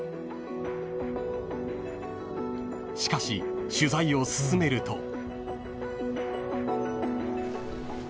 ［しかし取材を進めると］